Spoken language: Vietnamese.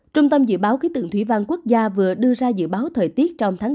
trung tâm dự báo khí tượng thủy văn quốc gia vừa đưa ra dự báo thời tiết trong tháng bốn